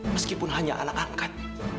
meskipun hanya anak angkat